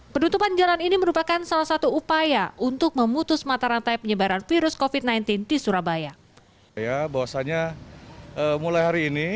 penutupan jalan ini merupakan salah satu upaya untuk memutus mata rantai penyebaran virus covid sembilan belas di surabaya